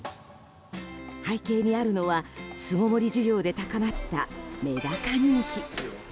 背景にあるのは巣ごもり需要で高まったメダカ人気。